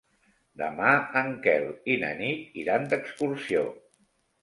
Demà en Quel i na Nit iran d'excursió.